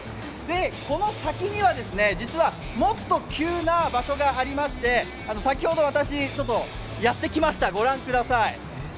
この先には、実はもっと急な場所がありまして先ほど私やってきました、ご覧ください。